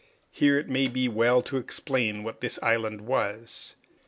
Here it may be well to explain what this island was.